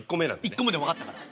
１個目でも分かったから。